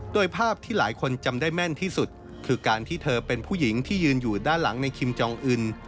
โดยภาพที่หลายคนจำได้แม่นที่สุดคือการที่เธอเป็นผู้หญิงที่ยืนอยู่ด้านหลังในคิมจองอื่น